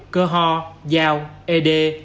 cơ hò giao ede